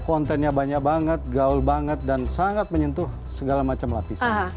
kontennya banyak banget gaul banget dan sangat menyentuh segala macam lapisan